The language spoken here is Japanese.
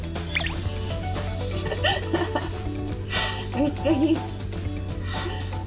めっちゃ元気。